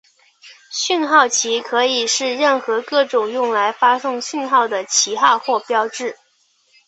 讯号旗可以是任何各种用来发送讯号的旗号或标志。